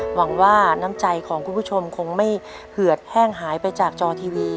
หวังว่าน้ำใจของคุณผู้ชมคงไม่เหือดแห้งหายไปจากจอทีวี